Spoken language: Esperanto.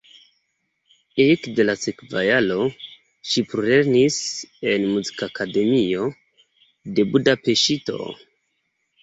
Ekde la sekva jaro ŝi plulernis en Muzikakademio de Budapeŝto.